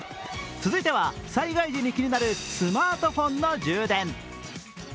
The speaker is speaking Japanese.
続いては、災害時に気になるスマートフォンの充電。